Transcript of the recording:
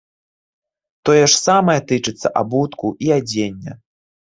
Тое ж самае тычыцца абутку, і адзення.